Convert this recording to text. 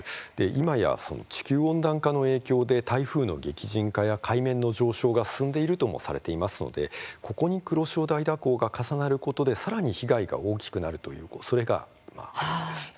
今や地球温暖化の影響で台風の激甚化や海面の上昇が進んでいるともされていますのでここに黒潮大蛇行が重なることでさらに被害が大きくなるというおそれがあるんです。